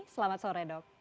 selamat sore dok